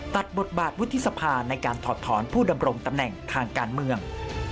บทบาทวุฒิสภาในการถอดถอนผู้ดำรงตำแหน่งทางการเมือง